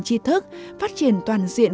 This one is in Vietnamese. tri thức phát triển toàn diện